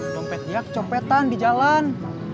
dompet dia kecompetan di jalan